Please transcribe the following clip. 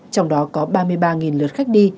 trong đó có ba mươi ba lượt khách đi